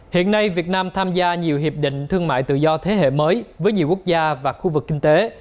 hiện nay việt nam tham gia nhiều hiệp định thương mại tự do thế hệ mới với nhiều quốc gia và khu vực kinh tế